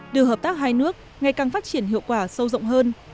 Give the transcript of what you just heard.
đưa hợp tác hai nước ngày càng phát triển hiệu quả sâu rộng hơn